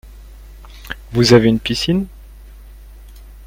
Vous avez une piscine ?